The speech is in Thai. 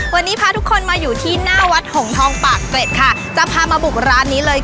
วันนี้พาทุกคนมาอยู่ที่หน้าวัดหงทองปากเกร็ดค่ะจะพามาบุกร้านนี้เลย